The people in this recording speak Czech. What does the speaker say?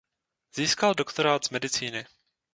Získal doktorát z medicíny.